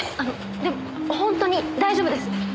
でも本当に大丈夫です。